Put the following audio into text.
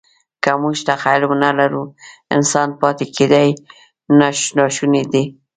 که موږ تخیل ونهلرو، انسان پاتې کېدل ناشوني دي.